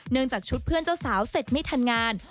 จากชุดเพื่อนเจ้าสาวเสร็จไม่ทันงาน